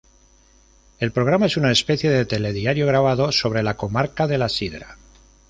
El programa es una especie de telediario, grabado, sobre la Comarca de la Sidra.